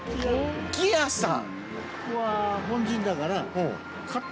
木屋さん。